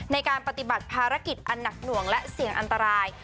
ในการปฏิบัติภารกิจอันหนักหน่วงและเสี่ยงอันตราย